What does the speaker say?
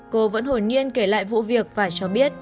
cô vẫn hồn nhiên kể lại vụ việc và cho biết